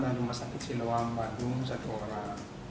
dan rumah sakit siloam badung satu orang